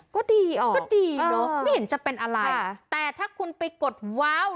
ก็ดีอ่ะไม่เห็นจะเป็นอะไรแต่ถ้าคุณไปกดว้าว